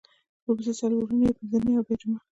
ورپسې څلورنۍ بیا پینځنۍ او بیا جمعه